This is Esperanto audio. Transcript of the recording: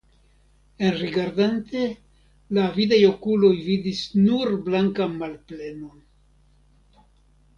Enrigardante, la avidaj okuloj vidis nur blankan malplenon!